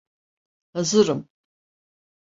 Hazırım.